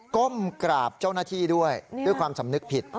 ก้มกราบเจ้าหน้าที่ด้วยด้วยความสำนึกผิด